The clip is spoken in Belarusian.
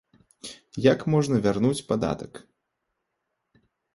Як можна вярнуць падатак?